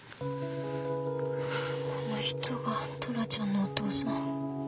この人がトラちゃんのお父さん。